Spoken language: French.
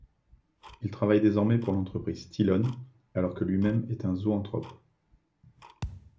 Il travaille désormais pour l'entreprise Tylon, alors que lui-même est un Zoanthrope.